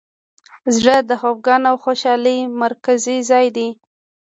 زړه د خفګان او خوشحالۍ مرکزي ځای دی.